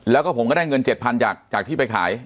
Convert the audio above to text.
แล้วก็ผมก็ได้เงิน๗๐๐จากที่ไปขาย